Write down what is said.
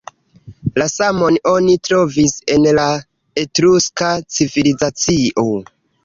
La samon oni trovis en la Etruska civilizacio.